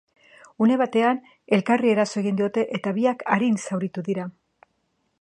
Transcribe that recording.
Une batean elkarri eraso egin diote eta biak arin zauritu dira.